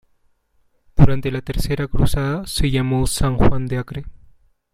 Durante la Tercera Cruzada se llamó San Juan de Acre.